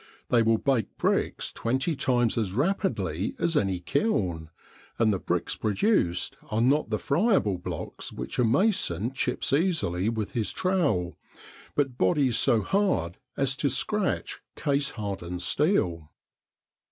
They will bake bricks twenty times as rapidly as any kiln, and the bricks produced are not the friable blocks which a mason chips easily with his trowel, but bodies so hard as to scratch case hardened steel.